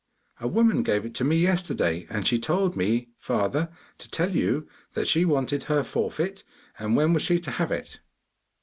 'A woman gave it to me yesterday, and she told me, father, to tell you that she wanted her forfeit, and when was she to have it?